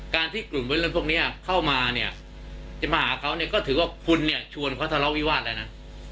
ที่กลุ่มวัยรุ่นพวกนี้เข้ามาเนี่ยจะมาหาเขาเนี่ยก็ถือว่าคุณเนี่ยชวนเขาทะเลาวิวาสแล้วนะ